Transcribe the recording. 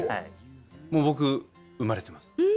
もう僕生まれてます。